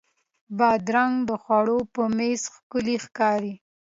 بادرنګ د خوړو په میز ښکلی ښکاري.